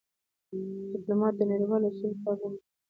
ډيپلومات د نړیوالو اصولو پابند وي.